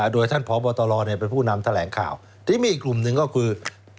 โดยท่านพบตรเป็นผู้นำแถลงข่าวทีนี้มีอีกกลุ่มหนึ่งก็คือ